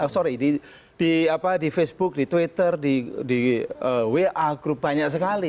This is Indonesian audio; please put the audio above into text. sorry di facebook di twitter di wa group banyak sekali